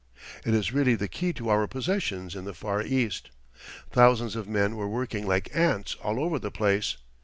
It is really the key to our possessions in the Far East. Thousands of men were working like ants all over the place.